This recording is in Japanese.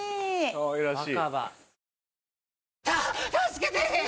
かわいらしい。